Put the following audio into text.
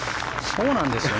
そうなんですよ。